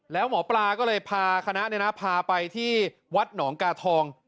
แล้วหมอปลาก็เลยพาคณะพาไปที่วัดหนองกาทอง